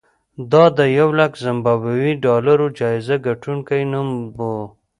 دا د یولک زیمبابويي ډالرو جایزې ګټونکي نوم و.